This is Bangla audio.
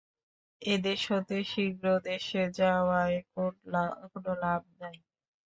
এদেশ হতে শীঘ্র দেশে যাওয়ায় কোন লাভ নাই।